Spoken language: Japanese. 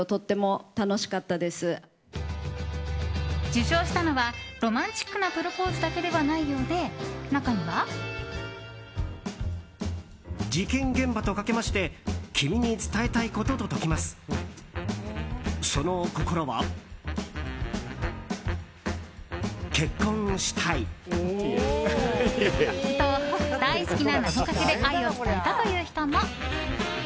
受賞したのは、ロマンチックなプロポーズだけではないようで中には。と、大好きな謎かけで愛を伝えたという人も。